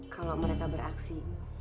kalo mereka beraksi